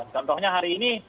contohnya hari ini